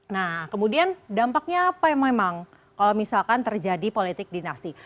nah kemudian dampaknya apa yang memang kalau misalkan terjadi politik dinasti